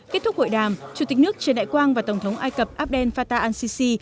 kết thúc hội đàm chủ tịch nước trần đại quang và tổng thống ai cập abdel fattah al sisi